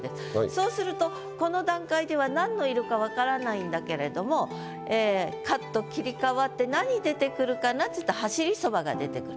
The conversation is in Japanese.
そうするとこの段階ではなんの色か分からないんだけれどもカット切り替わって何出てくるかなっていったら「走り蕎麦」が出てくる。